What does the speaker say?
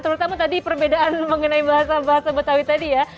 terutama tadi perbedaan mengenai bahasa bahasa betawi tadi ya